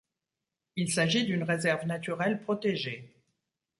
Il s'agit d'une réserve naturelle protégée.